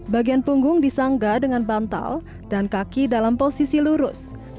bagian punggung disanggah dengan bantal dan kaki dalam posisi lurus